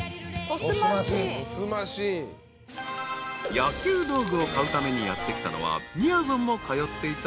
［野球道具を買うためにやって来たのはみやぞんも通っていた］